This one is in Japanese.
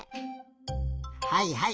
はいはい。